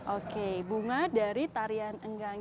oke bunga dari tarian enggang